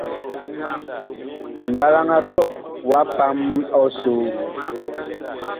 Mɓalaŋ a kɔh wa pam ɔsoo.